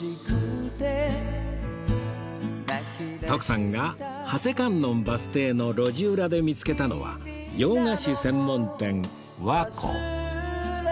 徳さんが長谷観音バス停の路地裏で見つけたのは洋菓子専門店輪心